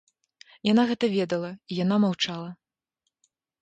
Яна гэта ведала, і яна маўчала.